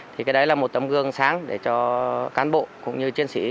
thì cái đấy là một tấm gương sáng để cho cán bộ cũng như chiến sĩ